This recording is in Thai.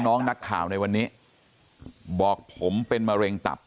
น้องนักข่าวในวันนี้บอกผมเป็นมะเร็งตับ